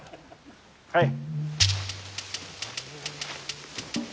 はい。